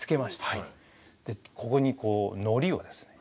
ここにこうのりをですね